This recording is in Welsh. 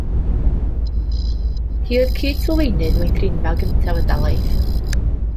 Hi oedd cyd-sylfaenydd meithrinfa gyntaf y dalaith.